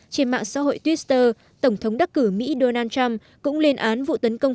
trên mạng xã hội twitter tổng thống đắc cử mỹ donald trump cũng lên án vụ tấn công